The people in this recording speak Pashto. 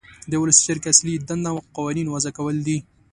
د ولسي جرګې اصلي دنده قوانین وضع کول دي.